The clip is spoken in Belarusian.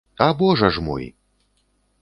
А божа ж мой!